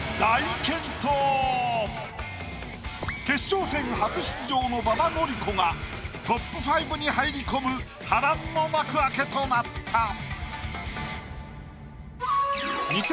決勝戦初出場の馬場典子がトップ５に入り込む波乱の幕開けとなった。